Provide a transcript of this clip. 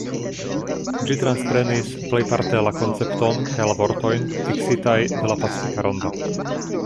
Ĝi transprenis plejparte la koncepton kaj la vortojn fiksitaj de la pacifika rondo.